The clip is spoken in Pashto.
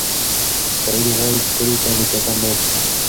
سعید غواړي چې کلي ته په چکر لاړ شي.